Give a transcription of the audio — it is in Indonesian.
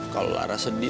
kalau lara sedih